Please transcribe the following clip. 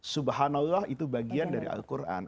subhanallah itu bagian dari al quran